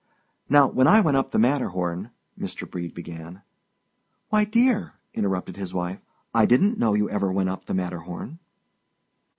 "Now, when I went up the Matterhorn" Mr. Brede began. "Why, dear," interrupted his wife, "I didn't know you ever went up the Matterhorn."